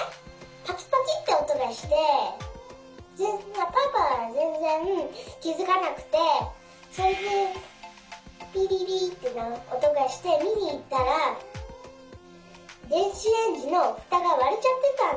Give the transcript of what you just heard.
パキパキっておとがしてパパはぜんぜんきづかなくてそれでピピピっておとがしてみにいったらでんしレンジのふたがわれちゃってたんだよ。